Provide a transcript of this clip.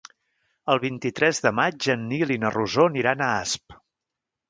El vint-i-tres de maig en Nil i na Rosó aniran a Asp.